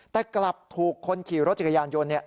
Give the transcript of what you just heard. แต่กลับถูกคนขี่รถจักรยานยนต์